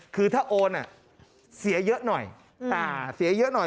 คือถ้าโอนเสียเยอะหน่อย